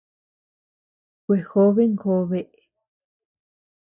Kuejóbe njóbe.